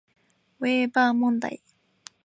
ウェーバー問題